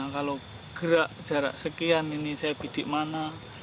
kalau gerak jarak sekian ini saya bidik mana